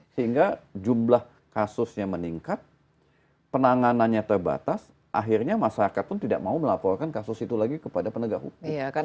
sehingga jumlah kasusnya meningkat penanganannya terbatas akhirnya masyarakat pun tidak mau melaporkan kasus itu lagi kepada penegak hukum